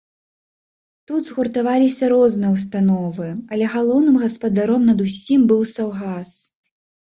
Тут згуртаваліся розныя ўстановы, але галоўным гаспадаром над усім быў саўгас.